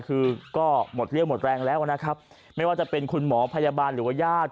คือก็หมดเรี่ยวหมดแรงแล้วนะครับไม่ว่าจะเป็นคุณหมอพยาบาลหรือว่าญาติ